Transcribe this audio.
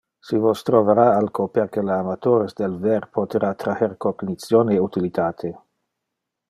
Si vos trovara alco perque le amatores del ver potera traher cognition e utilitate.